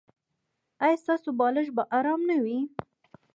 ایا ستاسو بالښت به ارام نه وي؟